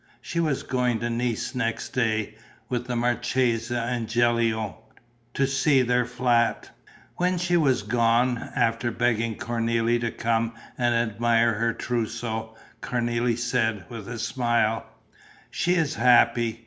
She was going to Nice next day, with the marchesa and Gilio, to see their flat. When she was gone, after begging Cornélie to come and admire her trousseau, Cornélie said, with a smile: "She is happy.